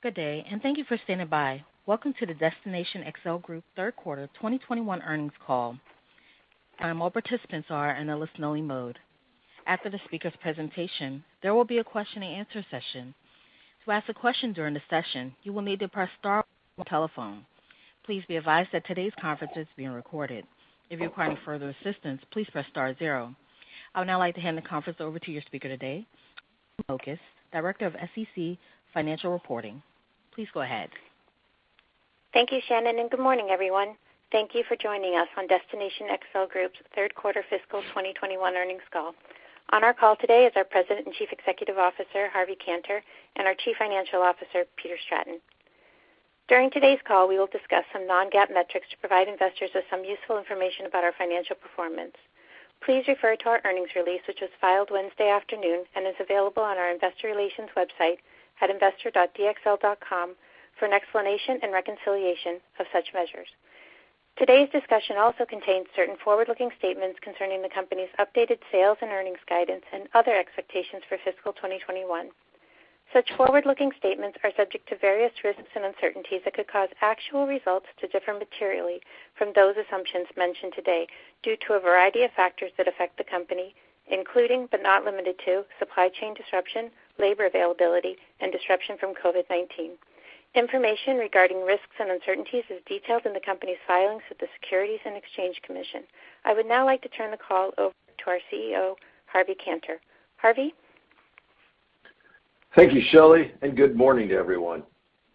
Good day, and thank you for standing by. Welcome to the Destination XL Group Q3 2021 earnings call. All participants are in a listen-only mode. After the speaker's presentation, there will be a question-and-answer session. To ask a question during the session, you will need to press star on your telephone. Please be advised that today's conference is being recorded. If you're requiring further assistance, please press star zero. I would now like to hand the conference over to your speaker today, Shelly Mokas, Director of SEC Financial Reporting. Please go ahead. Thank you, Shannon, and good morning, everyone. Thank you for joining us on Destination XL Group's Q3 fiscal 2021 earnings call. On our call today is our President and Chief Executive Officer, Harvey Kanter, and our Chief Financial Officer, Peter Stratton. During today's call, we will discuss some non-GAAP metrics to provide investors with some useful information about our financial performance. Please refer to our earnings release, which was filed Wednesday afternoon and is available on our investor relations website at investor.dxl.com for an explanation and reconciliation of such measures. Today's discussion also contains certain forward-looking statements concerning the company's updated sales and earnings guidance and other expectations for fiscal 2021. Such forward-looking statements are subject to various risks and uncertainties that could cause actual results to differ materially from those assumptions mentioned today due to a variety of factors that affect the company, including, but not limited to supply chain disruption, labor availability, and disruption from COVID-19. Information regarding risks and uncertainties is detailed in the company's filings with the Securities and Exchange Commission. I would now like to turn the call over to our CEO, Harvey Kanter. Harvey? Thank you, Shelly, and good morning to everyone.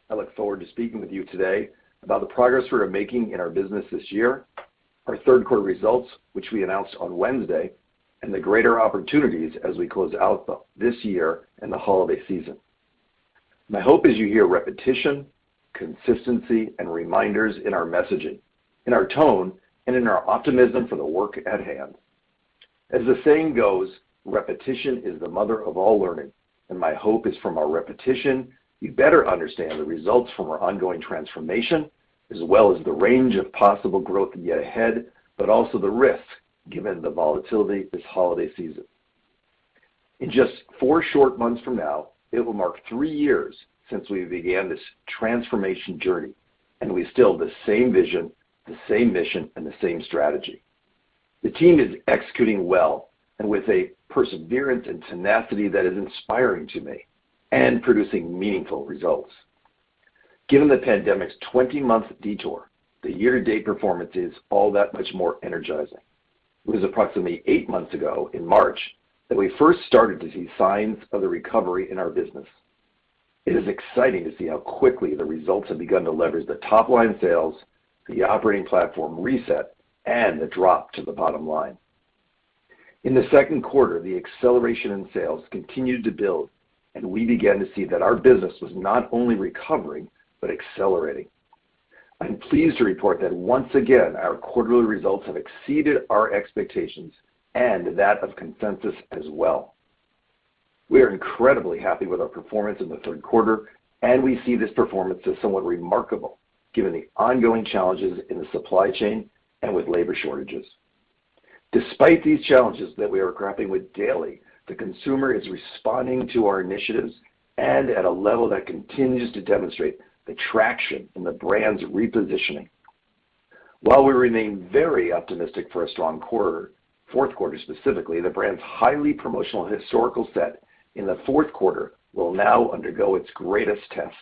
I look forward to speaking with you today about the progress we are making in our business this year, our Q3 results, which we announced on Wednesday, and the greater opportunities as we close out this year and the holiday season. My hope is you hear repetition, consistency, and reminders in our messaging, in our tone, and in our optimism for the work at hand. As the saying goes, repetition is the mother of all learning, and my hope is from our repetition, you better understand the results from our ongoing transformation, as well as the range of possible growth yet ahead, but also the risks given the volatility this holiday season. In just 4 short months from now, it will mark 3 years since we began this transformation journey, and we still have the same vision, the same mission, and the same strategy. The team is executing well and with a perseverance and tenacity that is inspiring to me and producing meaningful results. Given the pandemic's 20-month detour, the year-to-date performance is all that much more energizing. It was approximately 8 months ago in March that we first started to see signs of the recovery in our business. It is exciting to see how quickly the results have begun to leverage the top-line sales, the operating platform reset, and the drop to the bottom line. In the Q2, the acceleration in sales continued to build, and we began to see that our business was not only recovering but accelerating. I'm pleased to report that once again, our quarterly results have exceeded our expectations and that of consensus as well. We are incredibly happy with our performance in the Q3, and we see this performance as somewhat remarkable given the ongoing challenges in the supply chain and with labor shortages. Despite these challenges that we are grappling with daily, the consumer is responding to our initiatives and at a level that continues to demonstrate the traction in the brand's repositioning. While we remain very optimistic for a strong quarter, Q4 specifically, the brand's highly promotional historical set in the Q4 will now undergo its greatest test.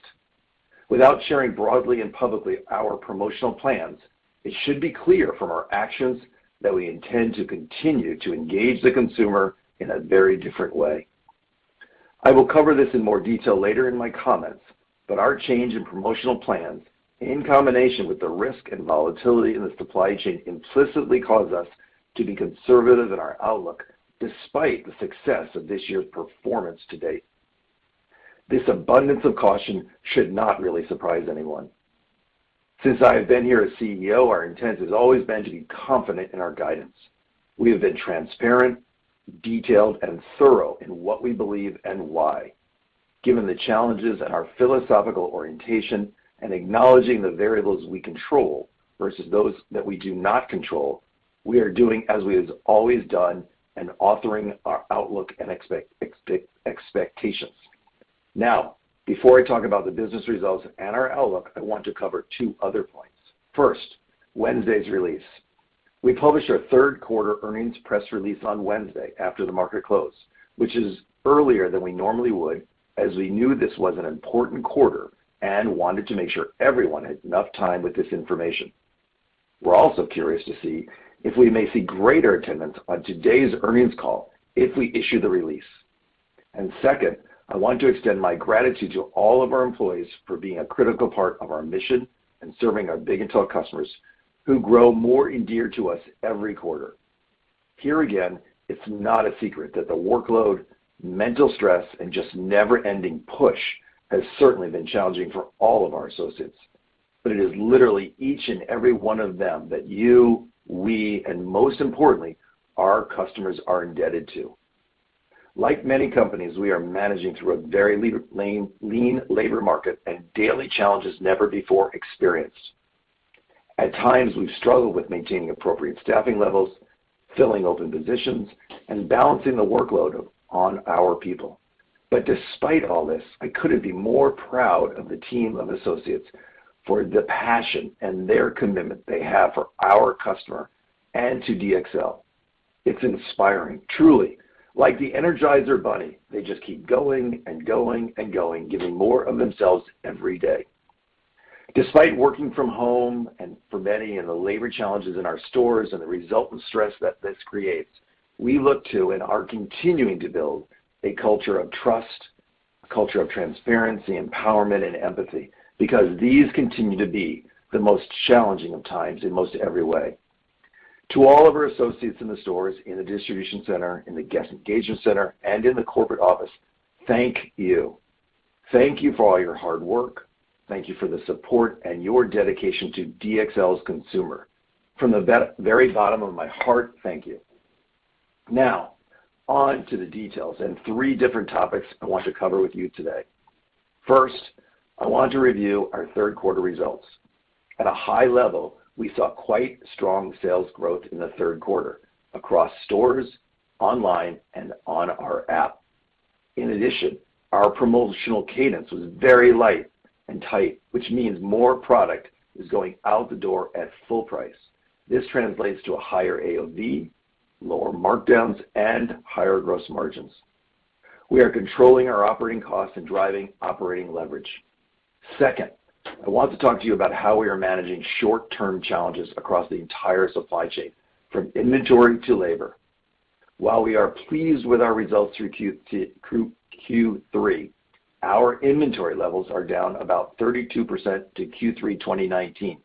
Without sharing broadly and publicly our promotional plans, it should be clear from our actions that we intend to continue to engage the consumer in a very different way. I will cover this in more detail later in my comments, but our change in promotional plans, in combination with the risk and volatility in the supply chain, implicitly cause us to be conservative in our outlook despite the success of this year's performance to date. This abundance of caution should not really surprise anyone. Since I have been here as CEO, our intent has always been to be confident in our guidance. We have been transparent, detailed, and thorough in what we believe and why. Given the challenges and our philosophical orientation and acknowledging the variables we control versus those that we do not control, we are doing as we have always done and authoring our outlook and expectations. Now, before I talk about the business results and our outlook, I want to cover two other points. First, Wednesday's release. We published our Q3 earnings press release on Wednesday after the market closed, which is earlier than we normally would, as we knew this was an important quarter and wanted to make sure everyone had enough time with this information. We're also curious to see if we may see greater attendance on today's earnings call if we issue the release. Second, I want to extend my gratitude to all of our employees for being a critical part of our mission and serving our big and tall customers who grow more endeared to us every quarter. Here again, it's not a secret that the workload, mental stress, and just never-ending push has certainly been challenging for all of our associates. It is literally each and every one of them that you, we, and most importantly, our customers are indebted to. Like many companies, we are managing through a very lean labor market and daily challenges never before experienced. At times, we've struggled with maintaining appropriate staffing levels, filling open positions, and balancing the workload on our people. Despite all this, I couldn't be more proud of the team of associates for the passion and their commitment they have for our customer and to DXL. It's inspiring, truly. Like the Energizer Bunny, they just keep going and going and going, giving more of themselves every day. Despite working from home and for many in the labor challenges in our stores and the resultant stress that this creates, we look to and are continuing to build a culture of trust, a culture of transparency, empowerment, and empathy because these continue to be the most challenging of times in most every way. To all of our associates in the stores, in the distribution center, in the guest engagement center, and in the corporate office, thank you. Thank you for all your hard work. Thank you for the support and your dedication to DXL's consumer. From the very bottom of my heart, thank you. Now, on to the details and three different topics I want to cover with you today. First, I want to review our Q3 results. At a high level, we saw quite strong sales growth in the Q3 across stores, online, and on our app. In addition, our promotional cadence was very light and tight, which means more product is going out the door at full price. This translates to a higher AOV, lower markdowns, and higher gross margins. We are controlling our operating costs and driving operating leverage. Second, I want to talk to you about how we are managing short-term challenges across the entire supply chain, from inventory to labor. While we are pleased with our results through Q3, our inventory levels are down about 32% to Q3 2019.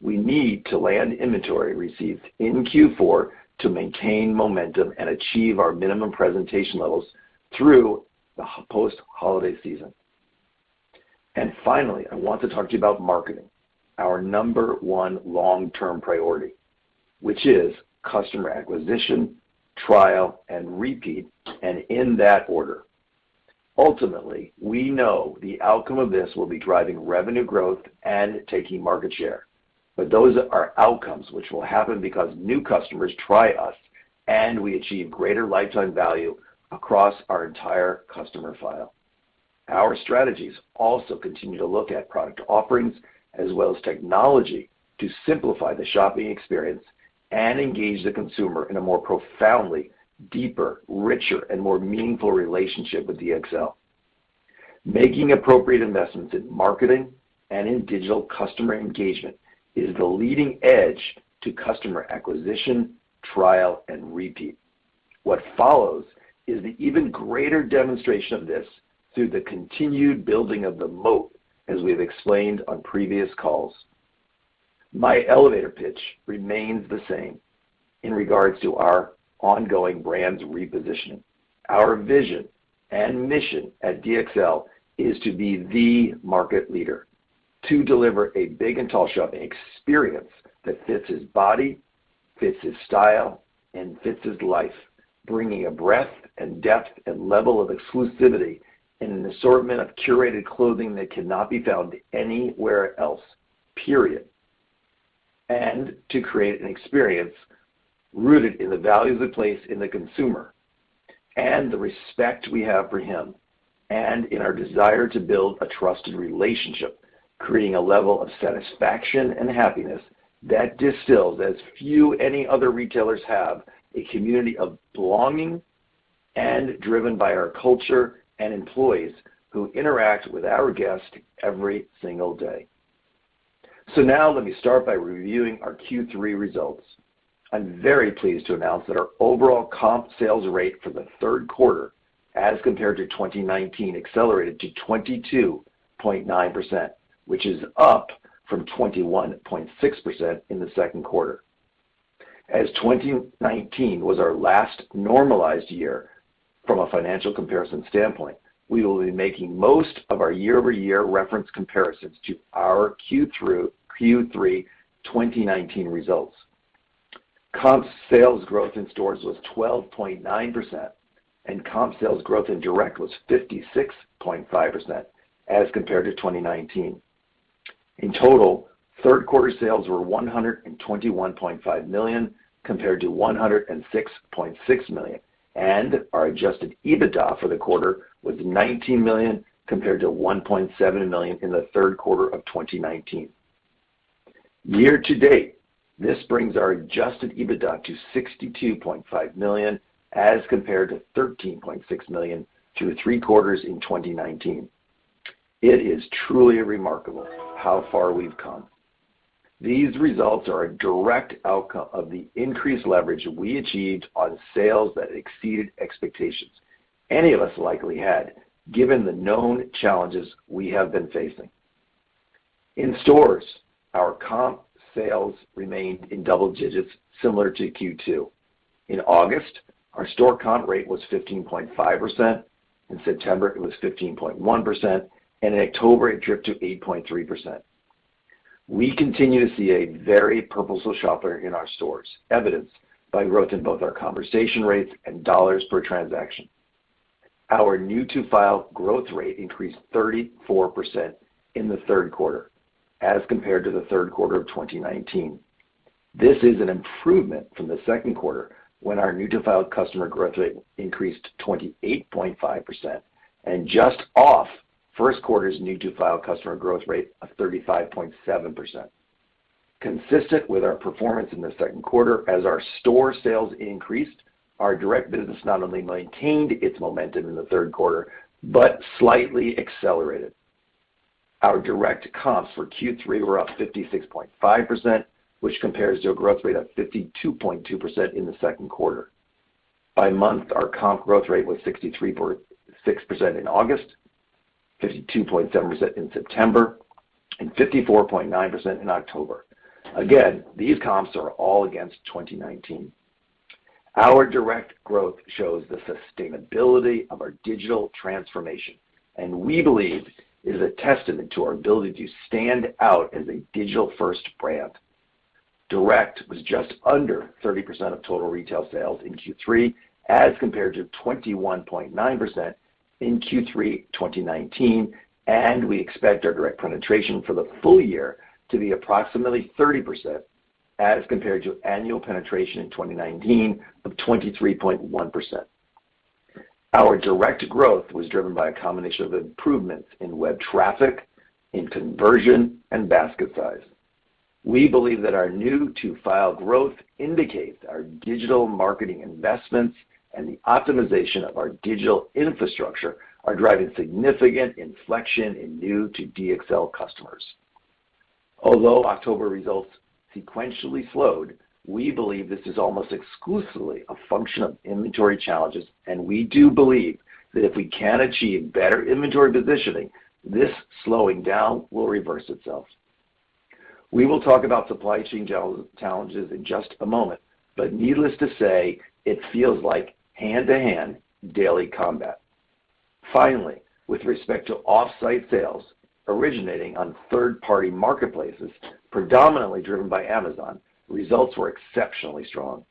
We need to land inventory received in Q4 to maintain momentum and achieve our minimum presentation levels through the post-holiday season. Finally, I want to talk to you about marketing, our number one long-term priority, which is customer acquisition, trial, and repeat, and in that order. Ultimately, we know the outcome of this will be driving revenue growth and taking market share. Those are outcomes which will happen because new customers try us and we achieve greater lifetime value across our entire customer file. Our strategies also continue to look at product offerings as well as technology to simplify the shopping experience and engage the consumer in a more profoundly deeper, richer, and more meaningful relationship with DXL. Making appropriate investments in marketing and in digital customer engagement is the leading edge to customer acquisition, trial, and repeat. What follows is the even greater demonstration of this through the continued building of the moat, as we've explained on previous calls. My elevator pitch remains the same in regards to our ongoing brand repositioning. Our vision and mission at DXL is to be the market leader, to deliver a big and tall shopping experience that fits his body, fits his style, and fits his life, bringing a breadth and depth and level of exclusivity in an assortment of curated clothing that cannot be found anywhere else, period. To create an experience rooted in the values we place in the consumer and the respect we have for him and in our desire to build a trusted relationship, creating a level of satisfaction and happiness that few other retailers have, a community of belonging driven by our culture and employees who interact with our guests every single day. Now let me start by reviewing our Q3 results. I'm very pleased to announce that our overall comp sales rate for the Q3 as compared to 2019 accelerated to 22.9%, which is up from 21.6% in the Q2. As 2019 was our last normalized year from a financial comparison standpoint, we will be making most of our year-over-year reference comparisons to our Q3 2019 results. Comp sales growth in stores was 12.9%, and comp sales growth in direct was 56.5% as compared to 2019. In total, Q3 sales were $121.5 million compared to $106.6 million, and our adjusted EBITDA for the quarter was $19 million compared to $1.7 million in the Q3 of 2019. Year to date, this brings our adjusted EBITDA to $62.5 million as compared to $13.6 million to three quarters In 2019. It is truly remarkable how far we've come. These results are a direct outcome of the increased leverage we achieved on sales that exceeded expectations any of us likely had, given the known challenges we have been facing. In stores, our comp sales remained in double digits similar to Q2. In August, our store comp rate was 15.5%, in September it was 15.1%, and in October it dipped to 8.3%. We continue to see a very purposeful shopper in our stores, evidenced by growth in both our conversion rates and dollars per transaction. Our new to file growth rate increased 34% in the Q3 as compared to the Q3 of 2019. This is an improvement from the Q2 when our new to file customer growth rate increased to 28.5% and just off Q1's new to file customer growth rate of 35.7%. Consistent with our performance in the Q2 as our store sales increased, our direct business not only maintained its momentum in the Q3, but slightly accelerated. Our direct comps for Q3 were up 56.5%, which compares to a growth rate of 52.2% in the Q2. By month, our comp growth rate was 63.6% in August, 52.7% in September, and 54.9% in October. Again, these comps are all against 2019. Our direct growth shows the sustainability of our digital transformation, and we believe it is a testament to our ability to stand out as a digital-first brand. Direct was just under 30% of total retail sales in Q3 as compared to 21.9% in Q3 2019. We expect our direct penetration for the full year to be approximately 30% as compared to annual penetration in 2019 of 23.1%. Our direct growth was driven by a combination of improvements in web traffic, in conversion, and basket size. We believe that our new to file growth indicates our digital marketing investments and the optimization of our digital infrastructure are driving significant inflection in new to DXL customers. Although October results sequentially slowed, we believe this is almost exclusively a function of inventory challenges, and we do believe that if we can achieve better inventory positioning, this slowing down will reverse itself. We will talk about supply chain challenges in just a moment, but needless to say, it feels like hand-to-hand daily combat. Finally, with respect to off-site sales originating on third-party marketplaces predominantly driven by Amazon, results were exceptionally strong.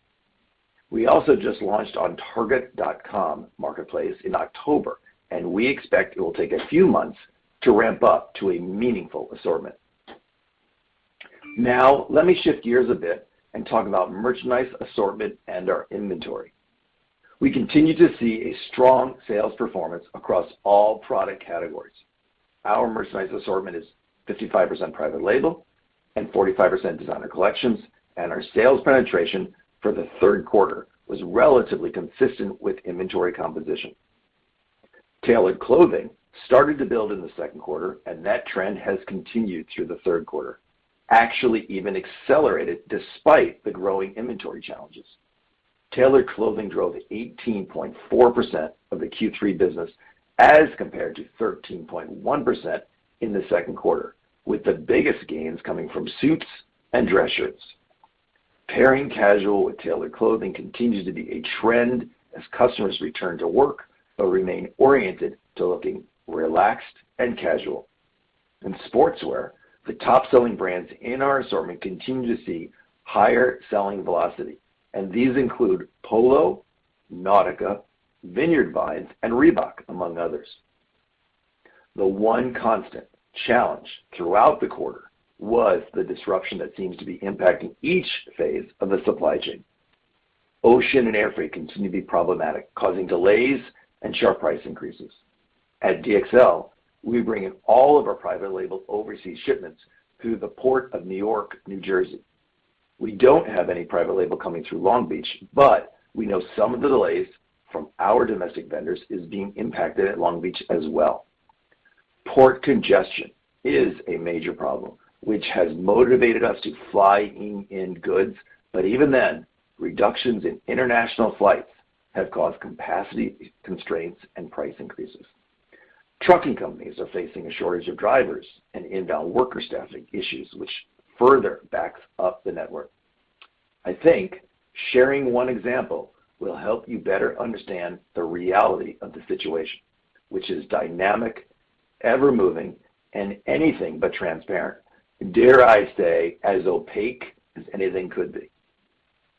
We also just launched on target.com marketplace in October, and we expect it will take a few months to ramp up to a meaningful assortment. Now, let me shift gears a bit and talk about merchandise assortment and our inventory. We continue to see a strong sales performance across all product categories. Our merchandise assortment is 55% private label and 45% designer collections, and our sales penetration for the Q3 was relatively consistent with inventory composition. Tailored clothing started to build in the Q2, and that trend has continued through the Q3, actually even accelerated despite the growing inventory challenges. Tailored clothing drove 18.4% of the Q3 business as compared to 13.1% in the Q2, with the biggest gains coming from suits and dress shirts. Pairing casual with tailored clothing continues to be a trend as customers return to work but remain oriented to looking relaxed and casual. In sportswear, the top-selling brands in our assortment continue to see higher selling velocity, and these include Polo, Nautica, Vineyard Vines, and Reebok, among others. The one constant challenge throughout the quarter was the disruption that seems to be impacting each phase of the supply chain. Ocean and air freight continue to be problematic, causing delays and sharp price increases. At DXL, we bring in all of our private label overseas shipments through the Port of New York and New Jersey. We don't have any private label coming through Long Beach, but we know some of the delays from our domestic vendors is being impacted at Long Beach as well. Port congestion is a major problem, which has motivated us to flying in goods. Even then, reductions in international flights have caused capacity constraints and price increases. Trucking companies are facing a shortage of drivers and inbound worker staffing issues, which further backs up the network. I think sharing one example will help you better understand the reality of the situation, which is dynamic, ever-moving, and anything but transparent. Dare I say, as opaque as anything could be.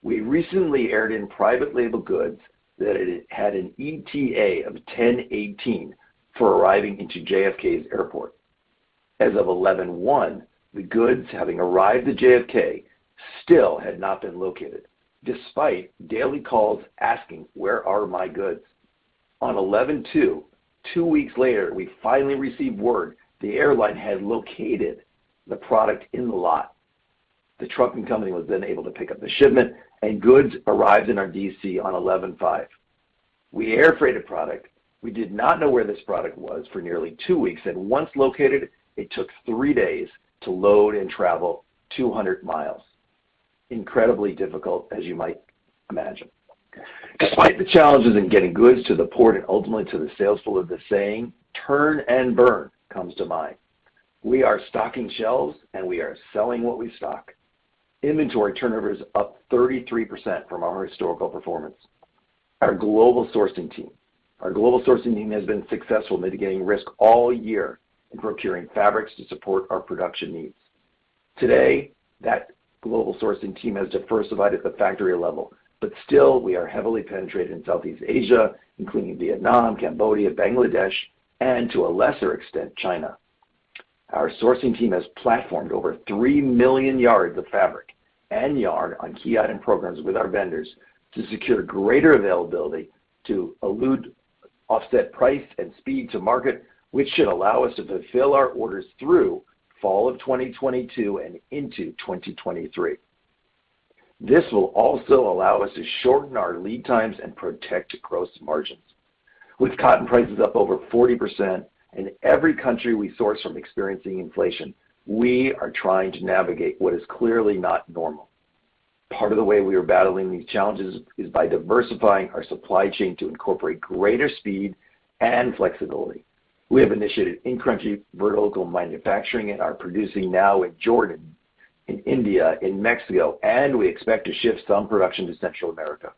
We recently air freighted private label goods that had an ETA of 10/18 for arriving into JFK's airport. As of 11/1, the goods having arrived at JFK still had not been located, despite daily calls asking, "Where are my goods?" On 11/2, two weeks later, we finally received word the airline had located the product in the lot. The trucking company was then able to pick up the shipment, and goods arrived in our DC on 11/5. We air freighted product. We did not know where this product was for nearly 2 weeks, and once located, it took 3 days to load and travel 200 miles. Incredibly difficult, as you might imagine. Despite the challenges in getting goods to the port and ultimately to the sales floor, the saying, "Turn and burn," comes to mind. We are stocking shelves, and we are selling what we stock. Inventory turnover is up 33% from our historical performance. Our global sourcing team has been successful mitigating risk all year in procuring fabrics to support our production needs. Today, that global sourcing team has diversified at the factory level, but still we are heavily penetrated in Southeast Asia, including Vietnam, Cambodia, Bangladesh, and to a lesser extent, China. Our sourcing team has placed over 3 million yards of fabric and yarn on key item programs with our vendors to secure greater availability, to lock in price and speed to market, which should allow us to fulfill our orders through fall of 2022 and into 2023. This will also allow us to shorten our lead times and protect gross margins. With cotton prices up over 40% and every country we source from experiencing inflation, we are trying to navigate what is clearly not normal. Part of the way we are battling these challenges is by diversifying our supply chain to incorporate greater speed and flexibility. We have initiated in-country vertical manufacturing and are producing now in Jordan, in India, in Mexico, and we expect to shift some production to Central America.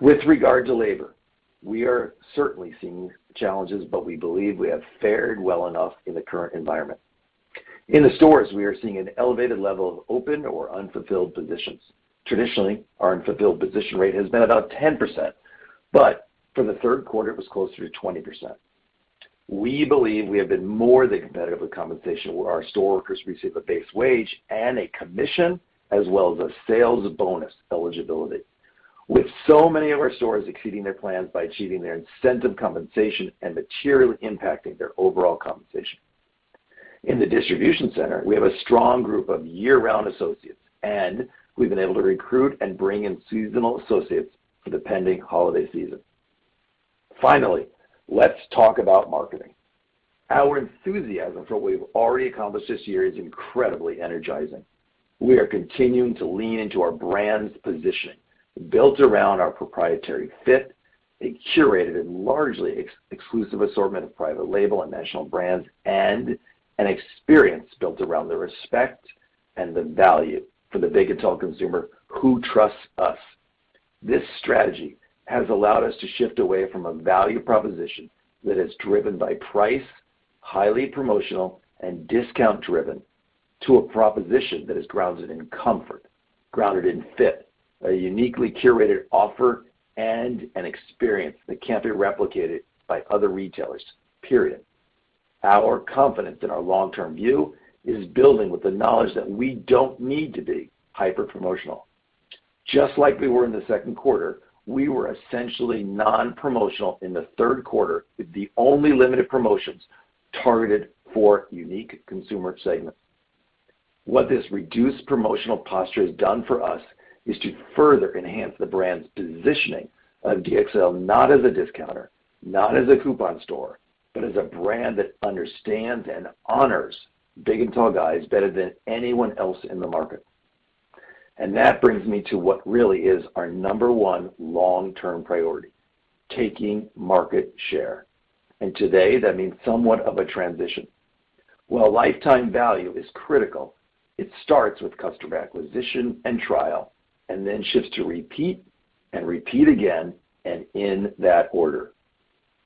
With regard to labor, we are certainly seeing challenges, but we believe we have fared well enough in the current environment. In the stores, we are seeing an elevated level of open or unfulfilled positions. Traditionally, our unfulfilled position rate has been about 10%, but for the Q3, it was closer to 20%. We believe we have been more than competitive with compensation, where our store workers receive a base wage and a commission as well as a sales bonus eligibility, with so many of our stores exceeding their plans by achieving their incentive compensation and materially impacting their overall compensation. In the distribution center, we have a strong group of year-round associates, and we've been able to recruit and bring in seasonal associates for the pending holiday season. Finally, let's talk about marketing. Our enthusiasm for what we've already accomplished this year is incredibly energizing. We are continuing to lean into our brand's position, built around our proprietary fit, a curated and largely exclusive assortment of private label and national brands, and an experience built around the respect and the value for the big and tall consumer who trusts us. This strategy has allowed us to shift away from a value proposition that is driven by price, highly promotional, and discount driven to a proposition that is grounded in comfort, grounded in fit, a uniquely curated offer, and an experience that can't be replicated by other retailers, period. Our confidence in our long-term view is building with the knowledge that we don't need to be hyper promotional. Just like we were in the Q2, we were essentially non-promotional in the Q3 with the only limited promotions targeted for unique consumer segments. What this reduced promotional posture has done for us is to further enhance the brand's positioning of DXL not as a discounter, not as a coupon store, but as a brand that understands and honors big and tall guys better than anyone else in the market. That brings me to what really is our number one long-term priority, taking market share. Today, that means somewhat of a transition. While lifetime value is critical, it starts with customer acquisition and trial, and then shifts to repeat and repeat again, and in that order.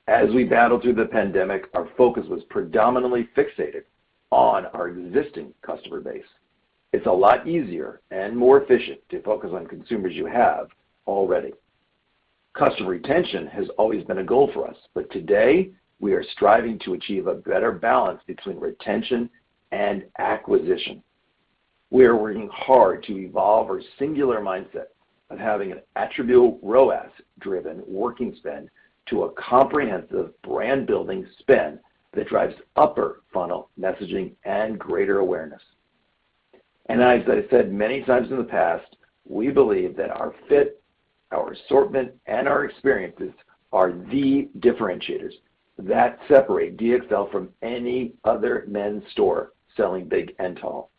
As we battled through the pandemic, our focus was predominantly fixated on our existing customer base. It's a lot easier and more efficient to focus on consumers you have already. Customer retention has always been a goal for us, but today we are striving to achieve a better balance between retention and acquisition. We are working hard to evolve our singular mindset of having an attributable ROAS-driven working spend to a comprehensive brand building spend that drives upper funnel messaging and greater awareness. As I said many times in the past, we believe that our fit, our assortment, and our experiences are the differentiators that separate DXL from any other men's store selling big and tall.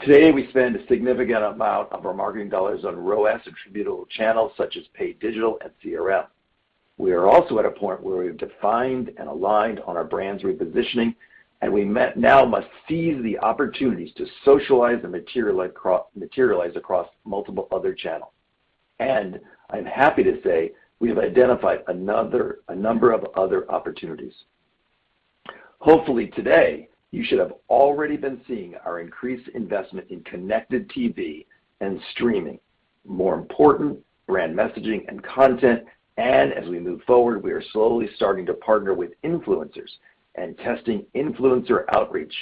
Today, we spend a significant amount of our marketing dollars on ROAS attributable channels such as paid digital and CRM. We are also at a point where we've defined and aligned on our brand's repositioning, and we now must seize the opportunities to socialize and materialize across multiple other channels. I'm happy to say we have identified a number of other opportunities. Hopefully today, you should have already been seeing our increased investment in connected TV and streaming, more important brand messaging and content. We move forward, we are slowly starting to partner with influencers and testing influencer outreach.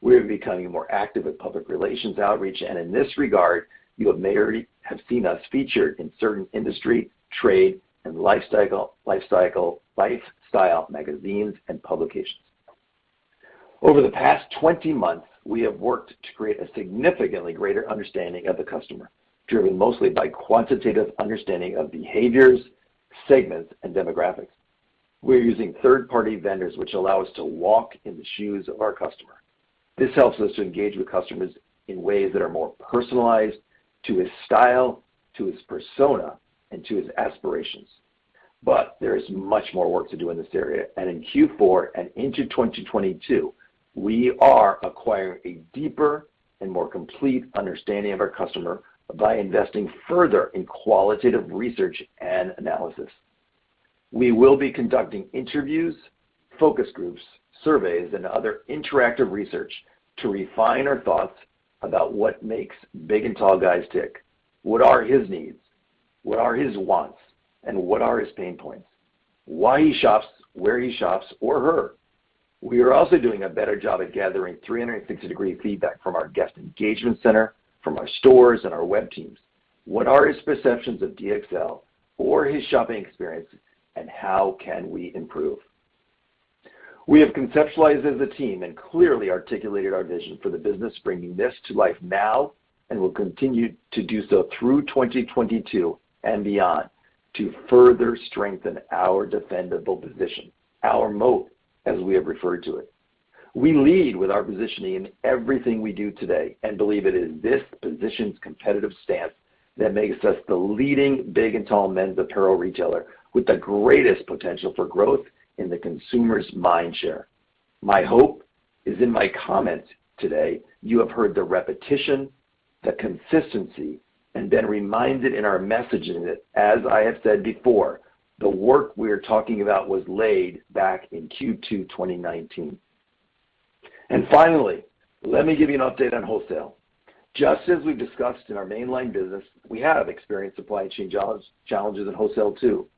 We are becoming more active in public relations outreach. In this regard, you may already have seen us featured in certain industry, trade, and lifestyle magazines and publications. Over the past 20 months, we have worked to create a significantly greater understanding of the customer, driven mostly by quantitative understanding of behaviors, segments, and demographics. We are using third-party vendors which allow us to walk in the shoes of our customer. This helps us to engage with customers in ways that are more personalized to his style, to his persona, and to his aspirations. There is much more work to do in this area. In Q4 and into 2022, we are acquiring a deeper and more complete understanding of our customer by investing further in qualitative research and analysis. We will be conducting interviews, focus groups, surveys, and other interactive research to refine our thoughts about what makes big and tall guys tick. What are his needs? What are his wants? And what are his pain points? Why he shops where he shops or her. We are also doing a better job at gathering 360-degree feedback from our guest engagement center, from our stores, and our web teams. What are his perceptions of DXL or his shopping experiences, and how can we improve? We have conceptualized as a team and clearly articulated our vision for the business, bringing this to life now and will continue to do so through 2022 and beyond to further strengthen our defendable position, our moat, as we have referred to it. We lead with our positioning in everything we do today, and believe it is this position's competitive stance that makes us the leading big and tall men's apparel retailer with the greatest potential for growth in the consumer's mind share. My hope is in my comments today, you have heard the repetition, the consistency, and been reminded in our messaging that, as I have said before, the work we are talking about was laid back in Q2 2019. Finally, let me give you an update on wholesale. Just as we discussed in our main line business, we have experienced supply chain challenges in wholesale too.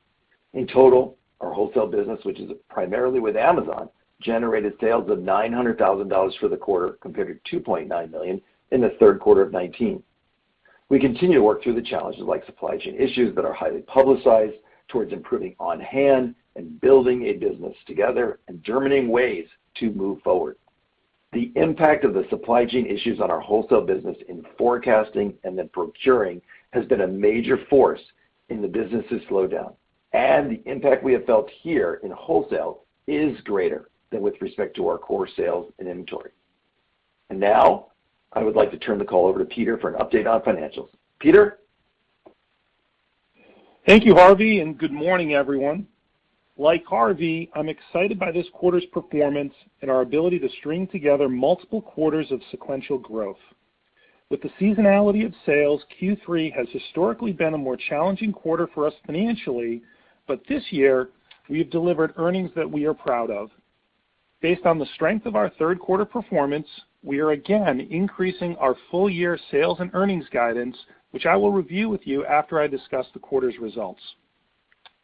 In total, our wholesale business, which is primarily with Amazon, generated sales of $900,000 for the quarter compared to $2.9 million in the Q3 of 2019. We continue to work through the challenges like supply chain issues that are highly publicized towards improving on hand and building a business together and germinating ways to move forward. The impact of the supply chain issues on our wholesale business in forecasting and then procuring has been a major force in the business's slowdown, and the impact we have felt here in wholesale is greater than with respect to our core sales and inventory. Now, I would like to turn the call over to Peter for an update on financials. Peter? Thank you, Harvey, and good morning, everyone. Like Harvey, I'm excited by this quarter's performance and our ability to string together multiple quarters of sequential growth. With the seasonality of sales, Q3 has historically been a more challenging quarter for us financially, but this year, we have delivered earnings that we are proud of. Based on the strength of our Q3 performance, we are again increasing our full-year sales and earnings guidance, which I will review with you after I discuss the quarter's results.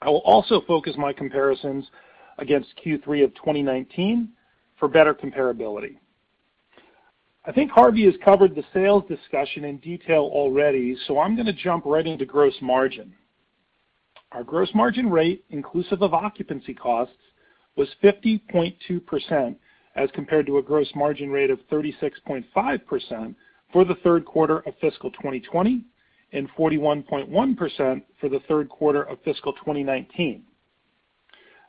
I will also focus my comparisons against Q3 of 2019 for better comparability. I think Harvey has covered the sales discussion in detail already, so I'm gonna jump right into gross margin. Our gross margin rate, inclusive of occupancy costs, was 50.2% as compared to a gross margin rate of 36.5% for the Q3 of fiscal 2020 and 41.1% for the Q3 of fiscal 2019.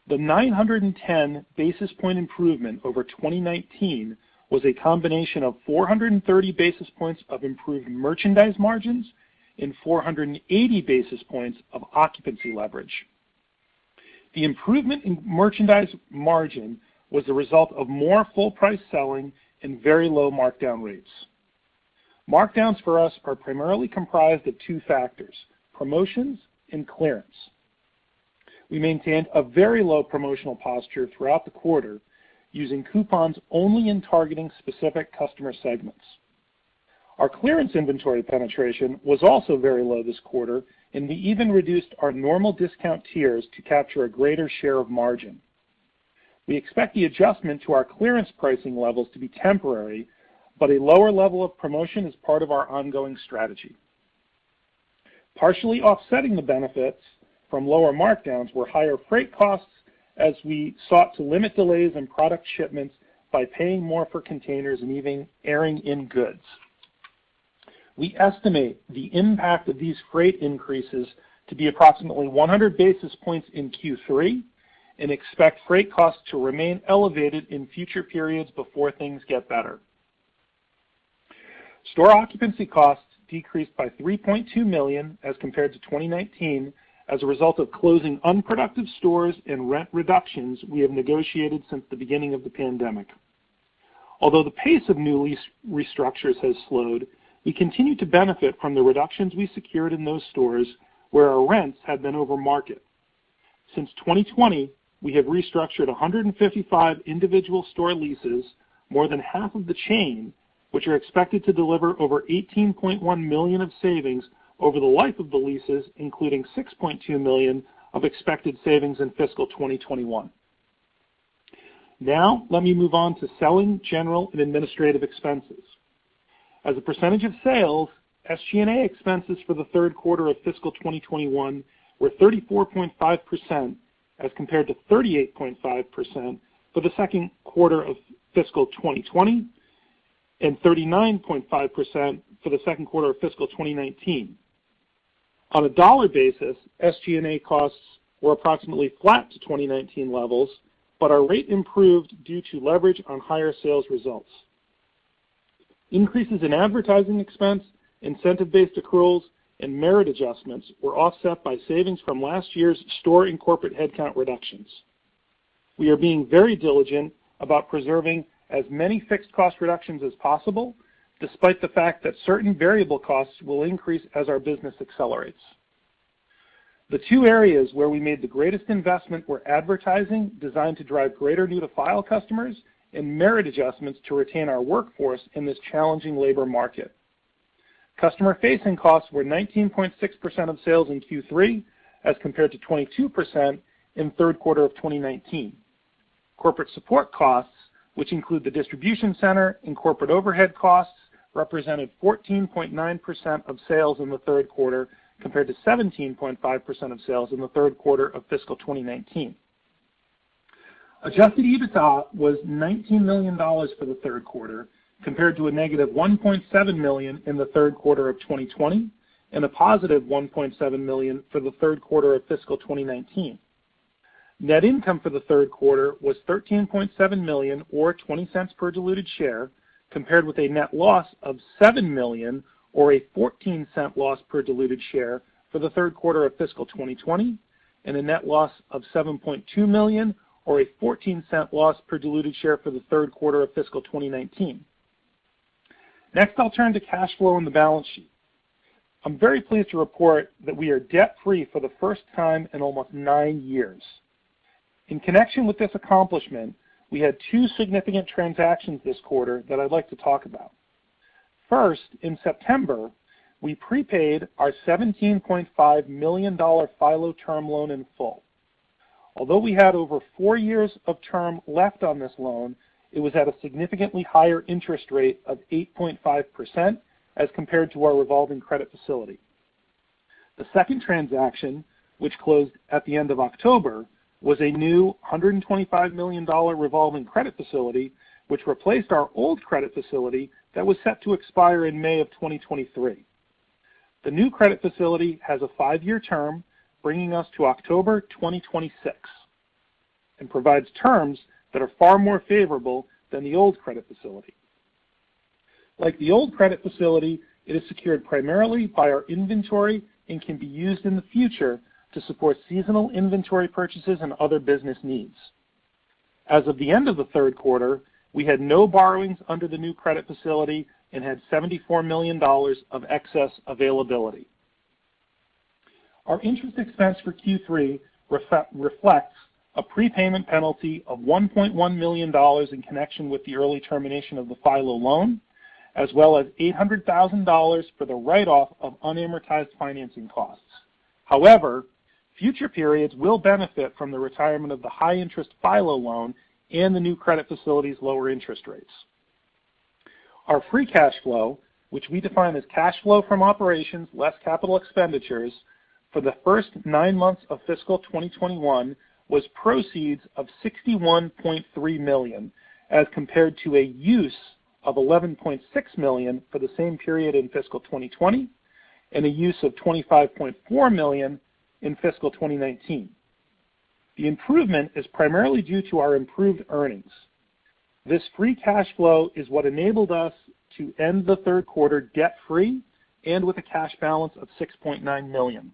The 910 basis point improvement over 2019 was a combination of 430 basis points of improved merchandise margins and 480 basis points of occupancy leverage. The improvement in merchandise margin was the result of more full-price selling and very low markdown rates. Markdowns for us are primarily comprised of two factors, promotions and clearance. We maintained a very low promotional posture throughout the quarter using coupons only in targeting specific customer segments. Our clearance inventory penetration was also very low this quarter, and we even reduced our normal discount tiers to capture a greater share of margin. We expect the adjustment to our clearance pricing levels to be temporary, but a lower level of promotion is part of our ongoing strategy. Partially offsetting the benefits from lower markdowns were higher freight costs as we sought to limit delays in product shipments by paying more for containers and even airing in goods. We estimate the impact of these freight increases to be approximately 100 basis points in Q3 and expect freight costs to remain elevated in future periods before things get better. Store occupancy costs decreased by $3.2 million as compared to 2019 as a result of closing unproductive stores and rent reductions we have negotiated since the beginning of the pandemic. Although the pace of new lease restructures has slowed, we continue to benefit from the reductions we secured in those stores where our rents had been over market. Since 2020, we have restructured 155 individual store leases, more than half of the chain, which are expected to deliver over $18.1 million of savings over the life of the leases, including $6.2 million of expected savings in fiscal 2021. Now, let me move on to selling, general, and administrative expenses. As a percentage of sales, SG&A expenses for the Q3 of fiscal 2021 were 34.5% as compared to 38.5% for the Q2 of fiscal 2020 and 39.5% for the Q2 of fiscal 2019. On a dollar basis, SG&A costs were approximately flat to 2019 levels, but our rate improved due to leverage on higher sales results. Increases in advertising expense, incentive-based accruals, and merit adjustments were offset by savings from last year's store and corporate headcount reductions. We are being very diligent about preserving as many fixed cost reductions as possible, despite the fact that certain variable costs will increase as our business accelerates. The two areas where we made the greatest investment were advertising designed to drive greater new-to-file customers and merit adjustments to retain our workforce in this challenging labor market. Customer-facing costs were 19.6% of sales in Q3 as compared to 22% in Q3 of 2019. Corporate support costs, which include the distribution center and corporate overhead costs, represented 14.9% of sales in the Q3 compared to 17.5% of sales in the Q3 of fiscal 2019. Adjusted EBITDA was $19 million for the Q3 compared to negative $1.7 million in the Q3 of 2020 and $1.7 million for the Q3 of fiscal 2019. Net income for the Q3 was $13.7 million or $0.20 per diluted share compared with a net loss of $7 million or a $0.14 loss per diluted share for the Q3 of fiscal 2020 and a net loss of $7.2 million or a $0.14 loss per diluted share for the Q3 of fiscal 2019. Next, I'll turn to cash flow on the balance sheet. I'm very pleased to report that we are debt-free for the first time in almost nine years. In connection with this accomplishment, we had two significant transactions this quarter that I'd like to talk about. First, in September, we prepaid our $17.5 million FILO term loan in full. Although we had over four years of term left on this loan, it was at a significantly higher interest rate of 8.5% as compared to our revolving credit facility. The second transaction, which closed at the end of October, was a new $125 million revolving credit facility, which replaced our old credit facility that was set to expire in May of 2023. The new credit facility has a 5-year term, bringing us to October 2026, and provides terms that are far more favorable than the old credit facility. Like the old credit facility, it is secured primarily by our inventory and can be used in the future to support seasonal inventory purchases and other business needs. As of the end of the Q3, we had no borrowings under the new credit facility and had $74 million of excess availability. Our interest expense for Q3 reflects a prepayment penalty of $1.1 million in connection with the early termination of the FILO loan, as well as $800,000 for the write-off of unamortized financing costs. However, future periods will benefit from the retirement of the high-interest FILO loan and the new credit facility's lower interest rates. Our free cash flow, which we define as cash flow from operations less capital expenditures, for the first nine months of fiscal 2021 was $61.3 million, as compared to a use of $11.6 million for the same period in fiscal 2020 and a use of $25.4 million in fiscal 2019. The improvement is primarily due to our improved earnings. This free cash flow is what enabled us to end the Q3 debt-free and with a cash balance of $6.9 million.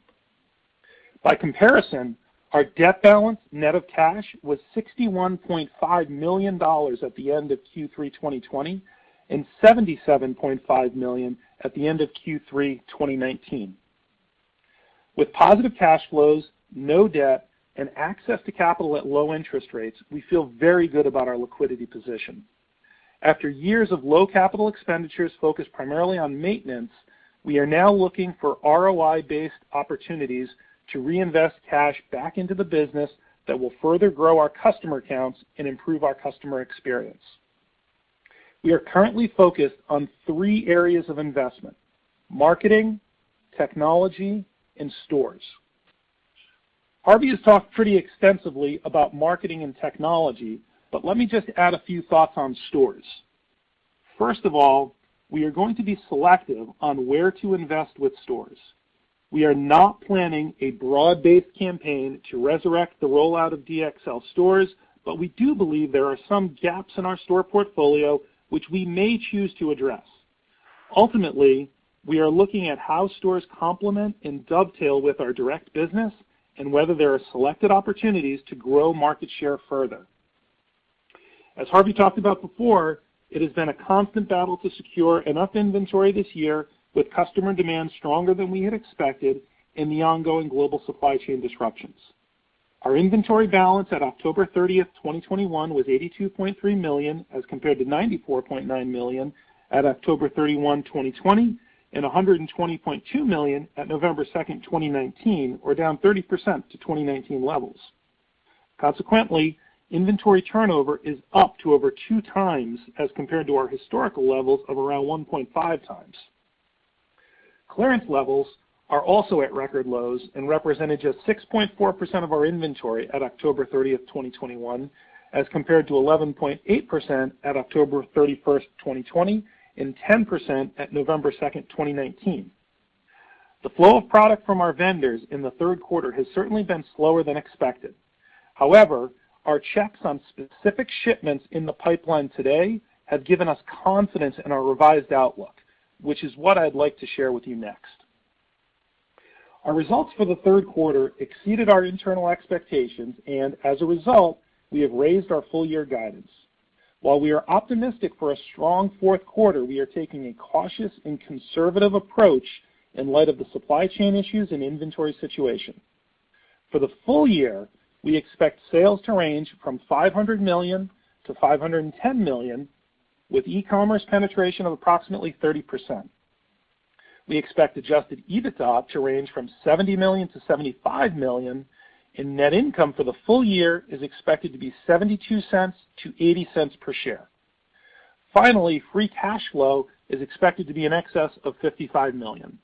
By comparison, our debt balance net of cash was $61.5 million at the end of Q3 2020 and $77.5 million at the end of Q3 2019. With positive cash flows, no debt, and access to capital at low interest rates, we feel very good about our liquidity position. After years of low capital expenditures focused primarily on maintenance, we are now looking for ROI-based opportunities to reinvest cash back into the business that will further grow our customer counts and improve our customer experience. We are currently focused on three areas of investment, marketing, technology, and stores. Harvey has talked pretty extensively about marketing and technology, but let me just add a few thoughts on stores. First of all, we are going to be selective on where to invest with stores. We are not planning a broad-based campaign to resurrect the rollout of DXL stores, but we do believe there are some gaps in our store portfolio which we may choose to address. Ultimately, we are looking at how stores complement and dovetail with our direct business and whether there are selected opportunities to grow market share further. As Harvey talked about before, it has been a constant battle to secure enough inventory this year with customer demand stronger than we had expected and the ongoing global supply chain disruptions. Our inventory balance at October 30, 2021 was $82.3 million, as compared to $94.9 million at October 31, 2020, and $120.2 million at November 2, 2019, or down 30% to 2019 levels. Consequently, inventory turnover is up to over 2 times as compared to our historical levels of around 1.5 times. Clearance levels are also at record lows and represented just 6.4% of our inventory at October 30, 2021, as compared to 11.8% at October 31, 2020, and 10% at November 2, 2019. The flow of product from our vendors in the Q3 has certainly been slower than expected. However, our checks on specific shipments in the pipeline today have given us confidence in our revised outlook, which is what I'd like to share with you next. Our results for the Q3 exceeded our internal expectations, and as a result, we have raised our full-year guidance. While we are optimistic for a strong Q4, we are taking a cautious and conservative approach in light of the supply chain issues and inventory situation. For the full year, we expect sales to range from $500 million-$510 million, with e-commerce penetration of approximately 30%. We expect adjusted EBITDA to range from $70 million-$75 million, and net income for the full year is expected to be $0.72-$0.80 per share. Finally, free cash flow is expected to be in excess of $55 million.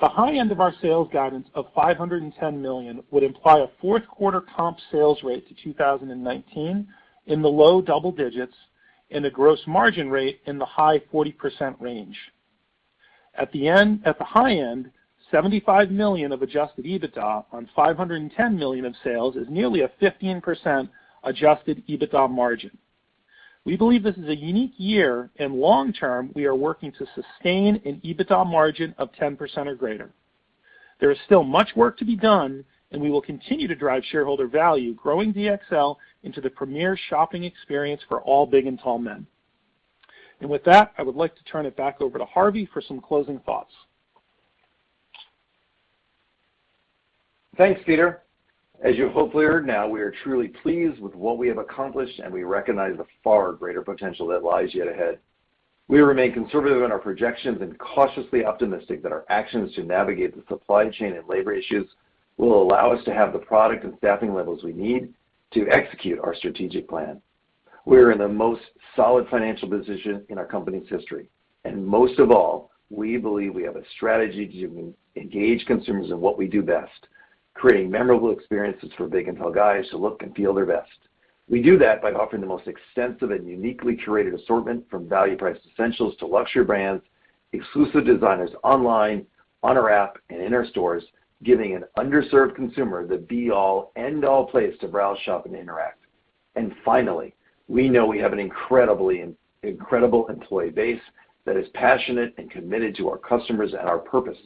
The high end of our sales guidance of $510 million would imply a Q4 comp sales rate to 2019 in the low double digits% and a gross margin rate in the high 40% range. At the high end, $75 million of adjusted EBITDA on $510 million of sales is nearly a 15% adjusted EBITDA margin. We believe this is a unique year, and long term, we are working to sustain an EBITDA margin of 10% or greater. There is still much work to be done, and we will continue to drive shareholder value, growing DXL into the premier shopping experience for all big and tall men. With that, I would like to turn it back over to Harvey for some closing thoughts. Thanks, Peter. As you hopefully heard now, we are truly pleased with what we have accomplished, and we recognize the far greater potential that lies yet ahead. We remain conservative in our projections and cautiously optimistic that our actions to navigate the supply chain and labor issues will allow us to have the product and staffing levels we need to execute our strategic plan. We're in the most solid financial position in our company's history. Most of all, we believe we have a strategy to engage consumers in what we do best, creating memorable experiences for big and tall guys to look and feel their best. We do that by offering the most extensive and uniquely curated assortment from value-priced essentials to luxury brands, exclusive designers online, on our app, and in our stores, giving an underserved consumer the be-all, end-all place to browse, shop, and interact. Finally, we know we have an incredible employee base that is passionate and committed to our customers and our purpose.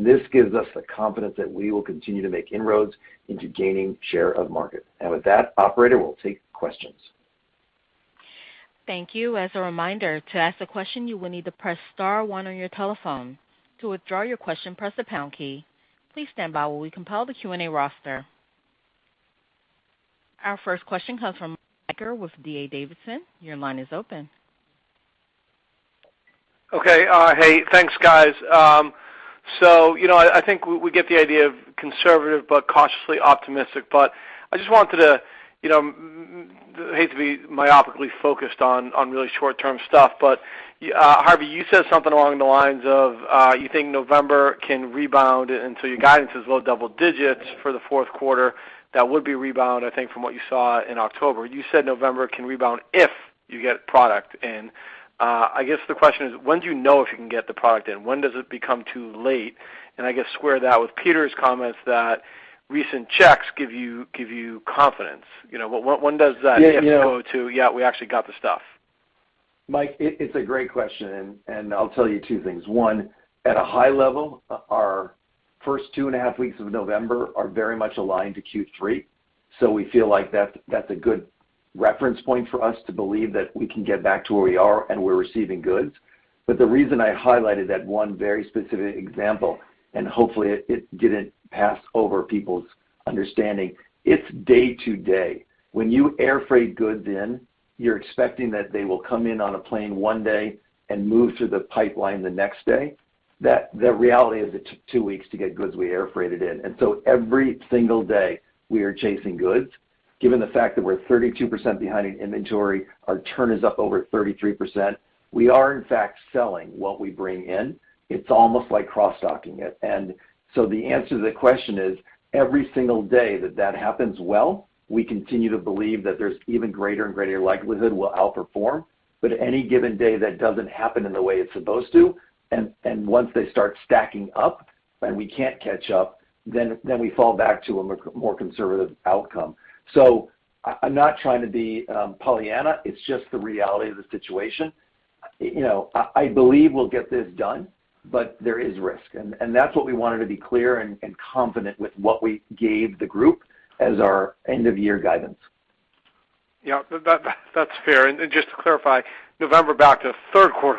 This gives us the confidence that we will continue to make inroads into gaining share of market. With that, operator, we'll take questions. Thank you. As a reminder, to ask a question, you will need to press star one on your telephone. To withdraw your question, press the pound key. Please stand by while we compile the Q&A roster. Our first question comes from Mike Baker with D.A. Davidson. Your line is open. Okay. Hey, thanks, guys. So, you know, I think we get the idea of conservative but cautiously optimistic. I just wanted to, you know, hate to be myopically focused on really short-term stuff, but, Harvey, you said something along the lines of, you think November can rebound until your guidance is low double digits for the Q4. That would be rebound, I think, from what you saw in October. You said November can rebound if you get product in. I guess the question is, when do you know if you can get the product in? When does it become too late? I guess square that with Peter's comments that recent checks give you confidence. You know, when does that- Yeah, yeah. Yeah, we actually got the stuff"? Mike, it's a great question, and I'll tell you two things. One, at a high level, our first two and a half weeks of November are very much aligned to Q3, so we feel like that's a good reference point for us to believe that we can get back to where we are and we're receiving goods. The reason I highlighted that one very specific example, and hopefully it didn't pass over people's understanding, it's day to day. When you air freight goods in, you're expecting that they will come in on a plane one day and move through the pipeline the next day. The reality is it took two weeks to get goods we air freighted in. Every single day we are chasing goods. Given the fact that we're 32% behind in inventory, our turn is up over 33%. We are in fact selling what we bring in. It's almost like cross-docking it. The answer to the question is, every single day that happens well, we continue to believe that there's even greater and greater likelihood we'll outperform. Any given day that doesn't happen in the way it's supposed to, and once they start stacking up and we can't catch up, then we fall back to a more conservative outcome. I'm not trying to be Pollyanna. It's just the reality of the situation. You know, I believe we'll get this done, but there is risk. That's what we wanted to be clear and confident with what we gave the group as our end-of-year guidance. Yeah. That's fair. Just to clarify, November back to Q3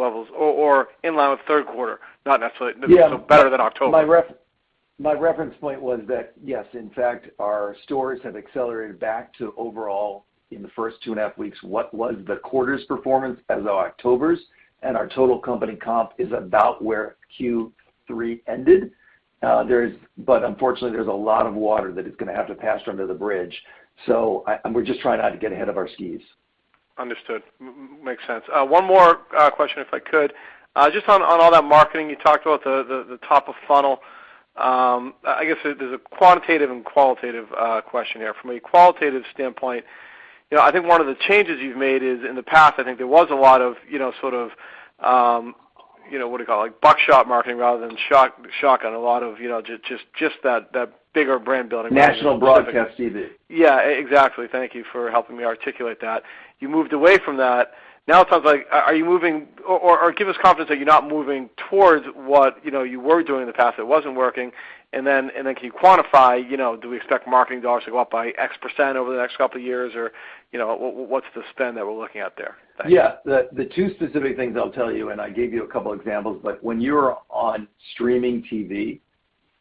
levels or in line with Q3, not necessarily- Yeah. Better than October. My reference point was that, yes, in fact, our stores have accelerated back to overall in the first two and a half weeks what was the quarter's performance as of October's, and our total company comp is about where Q3 ended. Unfortunately, there's a lot of water that is gonna have to pass under the bridge. We're just trying not to get ahead of our skis. Understood. Makes sense. One more question, if I could. Just on all that marketing, you talked about the top of funnel. I guess there's a quantitative and qualitative question here. From a qualitative standpoint. You know, I think one of the changes you've made is in the past, I think there was a lot of you know, what do you call it? Like, buckshot marketing rather than shotgun. A lot of, you know, just that bigger brand building. National broadcast TV. Yeah. Exactly. Thank you for helping me articulate that. You moved away from that. Now it sounds like, are you moving or give us confidence that you're not moving towards what, you know, you were doing in the past that wasn't working. Then can you quantify, you know, do we expect marketing dollars to go up by X% over the next couple of years? Or, you know, what's the spend that we're looking at there? Yeah. The two specific things I'll tell you, and I gave you a couple examples, but when you're on streaming TV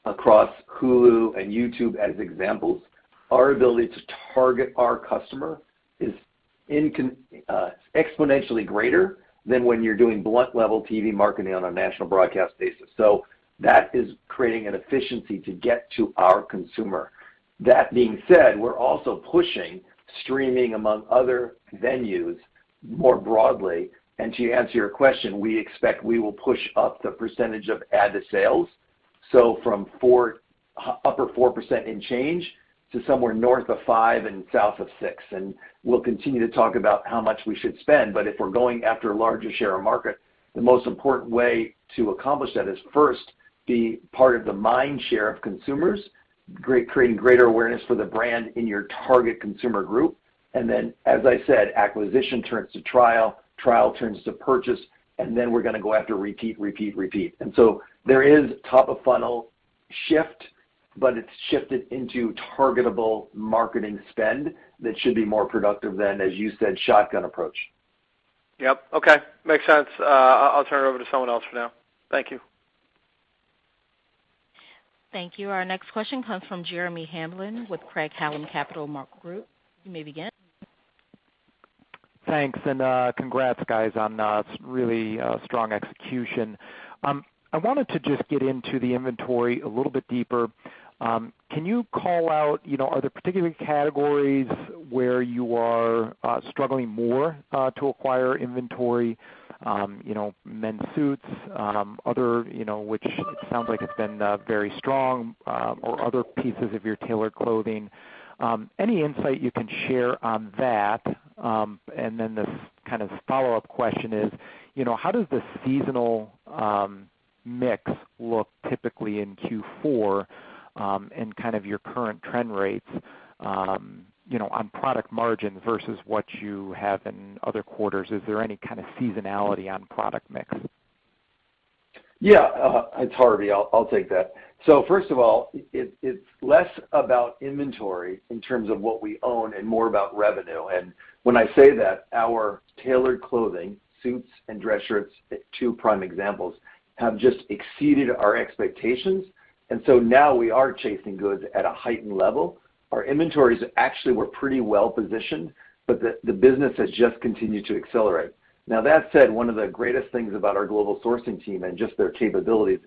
across Hulu and YouTube as examples, our ability to target our customer is exponentially greater than when you're doing blunt level TV marketing on a national broadcast basis. That is creating an efficiency to get to our consumer. That being said, we're also pushing streaming among other venues more broadly. To answer your question, we expect we will push up the percentage of ad to sales, so from upper 4% in change to somewhere north of 5% and south of 6%. We'll continue to talk about how much we should spend. If we're going after a larger share of market, the most important way to accomplish that is, first, be part of the mind share of consumers, great, creating greater awareness for the brand in your target consumer group. Then, as I said, acquisition turns to trial turns to purchase, and then we're gonna go after repeat, repeat. There is top of funnel shift, but it's shifted into targetable marketing spend that should be more productive than, as you said, shotgun approach. Yep. Okay. Makes sense. I'll turn it over to someone else for now. Thank you. Thank you. Our next question comes from Jeremy Hamblin with Craig-Hallum Capital Group. You may begin. Thanks and congrats guys on really strong execution. I wanted to just get into the inventory a little bit deeper. Can you call out, you know, are there particular categories where you are struggling more to acquire inventory, you know, men's suits, other, you know, which it sounds like it's been very strong, or other pieces of your tailored clothing? And then the follow-up question is, you know, how does the seasonal mix look typically in Q4, and your current trend rates, you know, on product margin versus what you have in other quarters? Is there any seasonality on product mix? Yeah, it's Harvey. I'll take that. First of all, it's less about inventory in terms of what we own and more about revenue. When I say that, our tailored clothing, suits and dress shirts, two prime examples, have just exceeded our expectations. Now we are chasing goods at a heightened level. Our inventories actually were pretty well positioned, but the business has just continued to accelerate. Now that said, one of the greatest things about our global sourcing team and just their capabilities